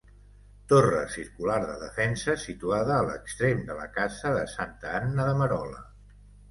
Torre circular de defensa situada a l'extrem de la casa de santa Anna de Merola.